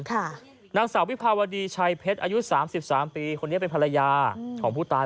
นางสาววิภาวดีชัยเพชรอายุสามสิบสามปีคนนี้เป็นภรรยาของผู้ตาย